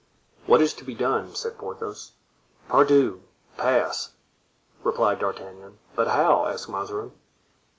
"What is to be done?" said Porthos. "Pardieu! pass," replied D'Artagnan. "But how?" asked Mazarin.